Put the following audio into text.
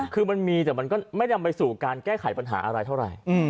คือมันมีแต่มันก็ไม่ได้นำไปสู่การแก้ไขปัญหาอะไรเท่าไหร่